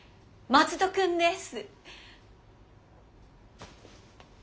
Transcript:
松戸諭です。